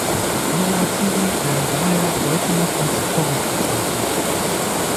Die Konservativen werden daher heute noch als "Tories" bezeichnet.